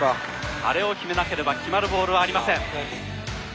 あれを決めなければ決まるボールはありません。